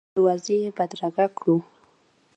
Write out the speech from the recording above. تر دروازې یې بدرګه کړو.